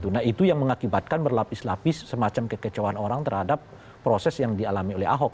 nah itu yang mengakibatkan berlapis lapis semacam kekecewaan orang terhadap proses yang dialami oleh ahok